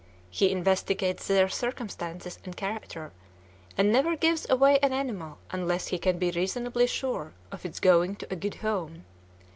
He investigates their circumstances and character, and never gives away an animal unless he can be reasonably sure of its going to a good home.